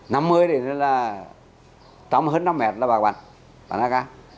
năm mươi thì nó là tầm hơn năm mẹt là bạc bạc bạc đá cao